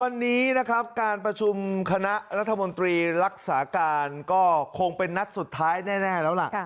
วันนี้นะครับการประชุมคณะรัฐมนตรีรักษาการก็คงเป็นนัดสุดท้ายแน่แล้วล่ะ